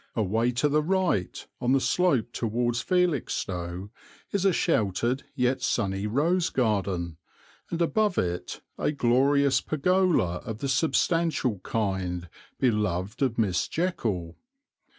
Away to the right, on the slope towards Felixstowe, is a sheltered yet sunny rose garden, and above it a glorious pergola of the substantial kind beloved of Miss Jekyll.